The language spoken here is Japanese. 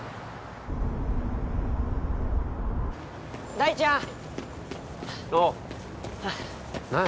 大ちゃん